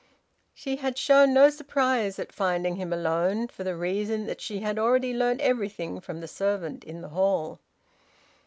She had shown no surprise at finding him alone, for the reason that she had already learnt everything from the servant in the hall.